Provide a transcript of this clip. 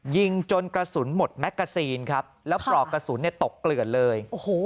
ยิงจนกระสุนหมดแมกกระซีนครับแล้วปลอกกระสุนตกเกลือดเลย